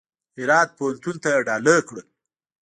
د هرات پوهنتون ته یې ډالۍ کړل.